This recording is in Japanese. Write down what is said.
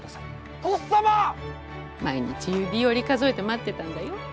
毎日指折り数えて待ってたんだよ。